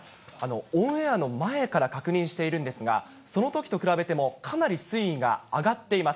オンエアの前から確認しているんですが、そのときと比べても、かなり水位が上がっています。